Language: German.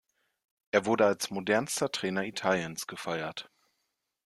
Er wurde als modernster Trainer Italiens gefeiert.